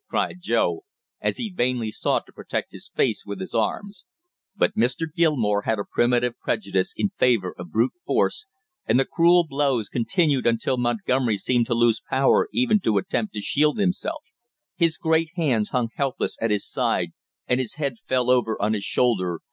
cried Joe, as he vainly sought to protect his face with his arms. But Mr. Gilmore had a primitive prejudice in favor of brute force, and the cruel blows continued until Montgomery seemed to lose power even to attempt to shield himself; his great hands hung helpless at his side and his head fell over on his shoulder.